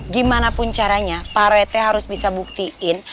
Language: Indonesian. gimanapun caranya pak rethe harus bisa buktiin